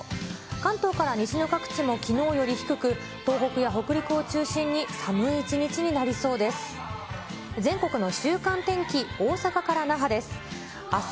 関東から西の各地もきのうより低く、東北や北陸を中心に寒い一日になりそうです。